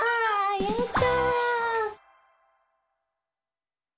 やった！